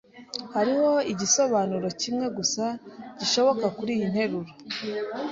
Hariho igisobanuro kimwe gusa gishoboka kuriyi nteruro.